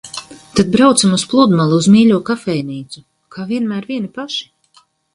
Tad braucam uz pludmali, uz mīļo kafejnīcu. Kā vienmēr vieni paši.